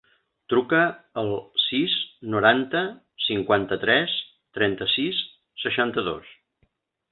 Truca al sis, noranta, cinquanta-tres, trenta-sis, seixanta-dos.